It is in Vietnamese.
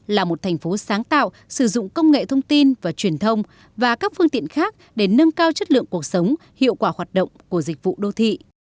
là một thành phố sáng tạo sử dụng công nghệ thông tin và truyền thông và các phương tiện khác để nâng cao chất lượng cuộc sống hiệu quả hoạt động của dịch vụ đô thị